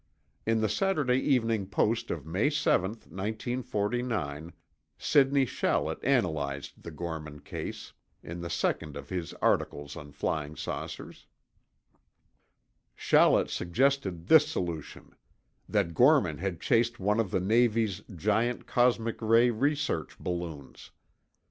In the Saturday Evening Post of May 7, 1949, Sidney Shallett analyzed the Gorman case, in the second of his articles on flying saucers. Shallet suggested this solution: that Gorman had chased one of the Navy's giant cosmic ray research balloons.